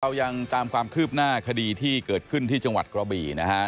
เรายังตามความคืบหน้าคดีที่เกิดขึ้นที่จังหวัดกระบี่นะฮะ